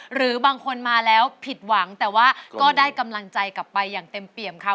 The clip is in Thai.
หรือบางคนมาแล้วผิดหวังแต่ว่าก็ได้กำลังใจกลับไปอย่างเต็มเปี่ยมค่ะ